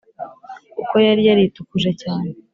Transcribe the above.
kuko yari yaritukuje cyane.